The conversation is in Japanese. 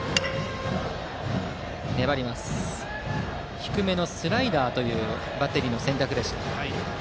低めのスライダーというバッテリーの選択でした。